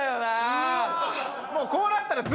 もうこうなったら。